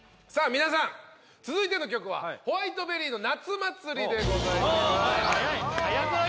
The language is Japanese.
皆さん続いての曲はＷｈｉｔｅｂｅｒｒｙの「夏祭り」でございます速い速くない？